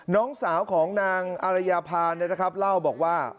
น้องสาวของนางอารยาพาเล่าบอกว่า